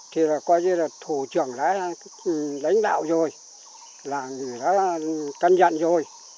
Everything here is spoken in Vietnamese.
thì là coi như là thủ trưởng đã đánh đạo rồi là người đã cân dặn rồi